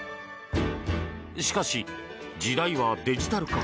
しかし、時代はデジタル化。